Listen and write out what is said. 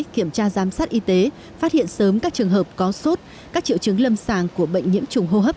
kiểm tra giám sát y tế phát hiện sớm các trường hợp có sốt các triệu chứng lâm sàng của bệnh nhiễm trùng hô hấp